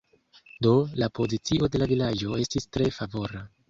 Do, la pozicio de la vilaĝo estis tre favora.